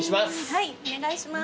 はいお願いします。